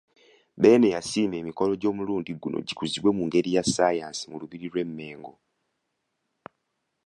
Beene yasiima emikolo gy'omulundi guno gikuzibwe mu ngeri ya Ssaayansi mu Lubiri lw' eMmengo.